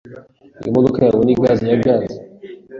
Iyi modoka yawe ni gaze ya gaze.